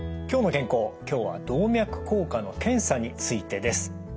今日は動脈硬化の検査についてです。